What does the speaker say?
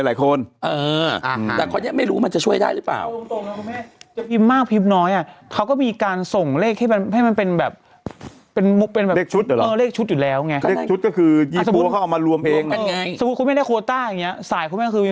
บางคนจะกินคนละเล่ม๒เล่มอะไร